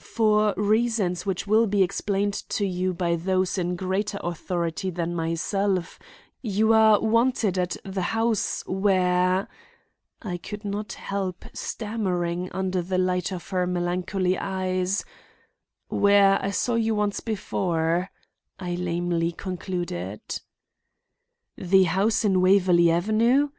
"For reasons which will be explained to you by those in greater authority than myself, you are wanted at the house where—" I could not help stammering under the light of her melancholy eyes—"where I saw you once before," I lamely concluded. "The house in Waverley Avenue?"